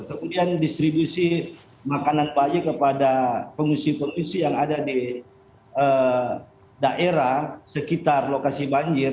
kemudian distribusi makanan bayi kepada pengungsi pengungsi yang ada di daerah sekitar lokasi banjir